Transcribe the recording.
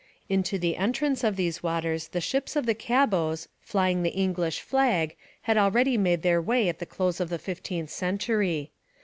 Into the entrance of these waters the ships of the Cabots flying the English flag had already made their way at the close of the fifteenth century.